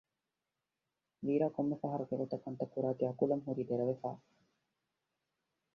ވީރާ ކޮންމެ ފަހަރަކު އެގޮތަށް ކަންތައް ކުރާތީ އަކުމަލް ހުރީ ދެރަވެފަ